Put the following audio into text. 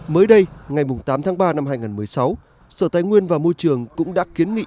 mới đây ngày tám tháng ba năm hai nghìn một mươi sáu sở tài nguyên và môi trường cũng đã kiến nghị